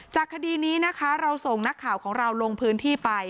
คดีนี้นะคะเราส่งนักข่าวของเราลงพื้นที่ไป